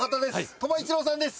鳥羽一郎さんです。